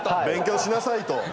勉強しなさいと。